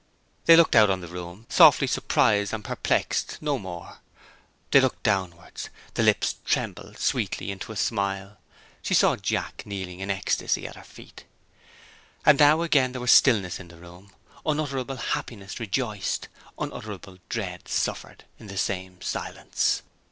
They looked out on the room, softly surprised and perplexed no more. They looked downwards: the lips trembled sweetly into a smile. She saw Jack, kneeling in ecstasy at her feet. And now again, there was stillness in the room. Unutterable happiness rejoiced, unutterable dread suffered, in the same silence.